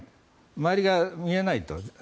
周りが見えないと。